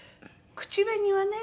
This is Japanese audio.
口紅はね